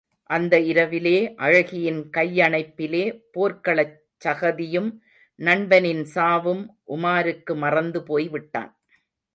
அந்த இரவிலே அழகியின் கையணைப்பிலே, போர்க்களச் சகதியும், நண்பனின் சாவும் உமாருக்கு மறந்து போய்விட்டன.